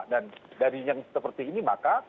dan dari yang seperti ini maka